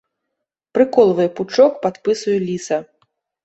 Прыколвае пучок пад пысаю ліса.